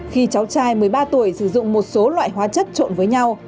khi cháu trai một mươi ba tuổi sử dụng một số loại hóa chất trộn với nhau